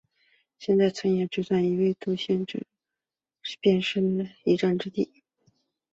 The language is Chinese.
现在春日野站的位置在多摩线计画时便是设站地点之一。